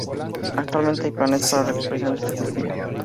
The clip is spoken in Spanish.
Actualmente hay planes para la recuperación de este cultivo.